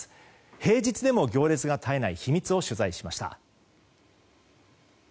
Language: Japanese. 平日でも行列が絶えない秘密を取材しました。